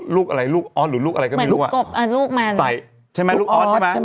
ลูกอะไรลูกออสหรือลูกอะไรก็ไม่รู้ว่ะเหมือนลูกกบลูกออสใช่ไหม